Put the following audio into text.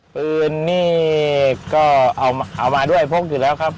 ปืนนี่ก็เอามาด้วยพกอยู่แล้วครับ